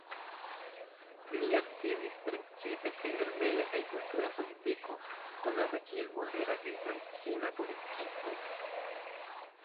Li aktivis precipe pri lerneja kaj kultura politiko, konata kiel modera kaj trankvila politikisto.